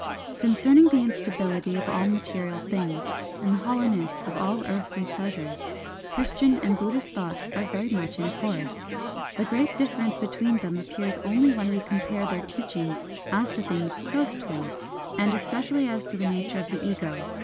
Concerning the instability of all material things, and the hollowness of all earthly pleasures, Christian and Buddhist thought are very much in ac cord. The great difference between them ap pears only when we compare their teaching as to things ghostly, — and especially as to the nature of the Ego.